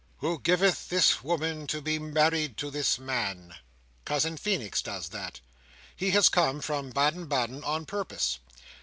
"Who giveth this woman to be married to this man?" Cousin Feenix does that. He has come from Baden Baden on purpose.